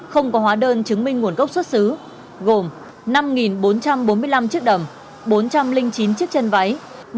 không có hóa đơn chứng minh nguồn gốc xuất xứ gồm năm bốn trăm bốn mươi năm chiếc đầm bốn trăm linh chín chiếc chân váy